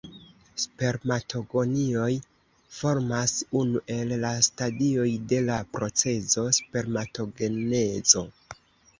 Spermatogonioj formas unu el la stadioj de la procezo spermatogenezo.